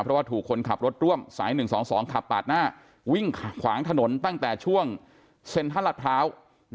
เพราะว่าถูกคนขับรถร่วมสาย๑๒๒ขับปาดหน้าวิ่งขวางถนนตั้งแต่ช่วงเซ็นทรัลลาดพร้าว